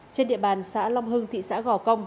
trên địa bàn xã long hưng thị xã gò công